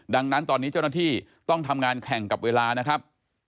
ดังนั้นตอนนี้เจ้าหน้าที่ต้องทำงานแข่งกับเวลานะครับ